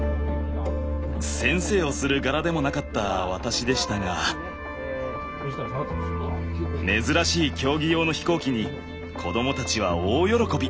先生をする柄でもなかった私でしたが珍しい競技用の飛行機に子供たちは大喜び。